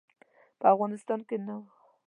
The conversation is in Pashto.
په افغانستان کې نه وو.